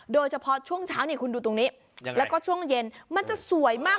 โดยเฉพาะช่วงเช้านี่คุณดูตรงนี้แล้วก็ช่วงเย็นมันจะสวยมาก